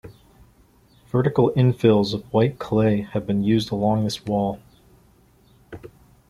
Vertical infills of white clay have been used along this wall.